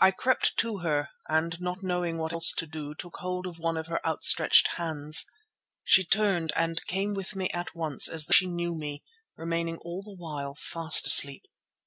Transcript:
I crept to her and not knowing what else to do, took hold of one of her outstretched hands. She turned and came with me at once as though she knew me, remaining all the while fast asleep.